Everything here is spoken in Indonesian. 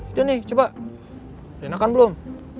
udah nih coba enakan belum